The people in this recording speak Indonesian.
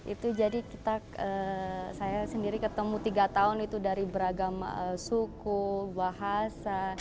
itu jadi saya sendiri ketemu tiga tahun itu dari beragam suku bahasa